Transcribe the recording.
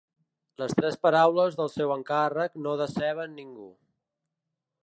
Les tres paraules del seu encàrrec no deceben ningú.